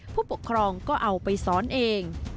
ผู้ปกครองก็เอาไปสอนเอง